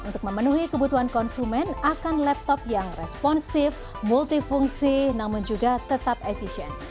untuk memenuhi kebutuhan konsumen akan laptop yang responsif multifungsi namun juga tetap efisien